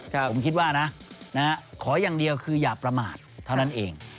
ผมคิดว่านะขออย่างเดียวคืออย่าประมาทเท่านั้นเอง